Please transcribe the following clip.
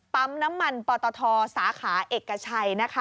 ปั๊มน้ำมันปลอตทสาขาเอกชัย